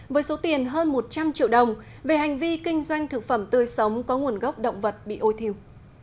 với số tiền hơn một trăm linh triệu đồng về hành vi kinh doanh thực phẩm tươi sống có nguồn gốc động vật bị ôi thiêu